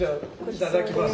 いただきます。